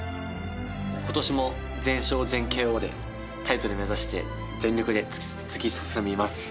今年も全勝全ＫＯでタイトル目指して全力で突き進みます。